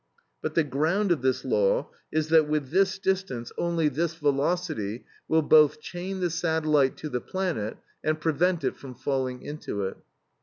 But the ground of this law is, that with this distance only this velocity will both chain the satellite to the planet and prevent it from falling into it.